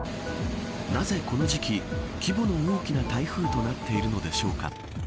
なぜ、この時期規模の大きな台風となっているのでしょうか。